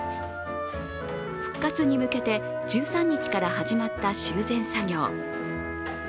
復活に向けて１３日から始まった修繕作業。